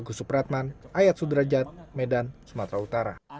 agus supratman ayat sudrajat medan sumatera utara